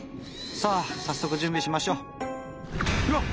さあ早速準備しましょ。